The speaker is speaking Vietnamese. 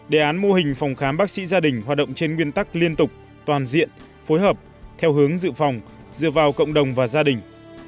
đề án mô hình phòng khám bác sĩ gia đình hoạt động trên nguyên tắc liên tục toàn diện phối hợp theo hướng dự phòng dựa vào cộng đồng và gia đình